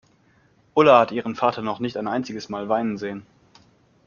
Ulla hat ihren Vater noch nicht ein einziges Mal weinen sehen.